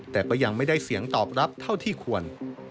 แต่ก็ยังไม่ได้เสียงตอบรับเท่าที่ควร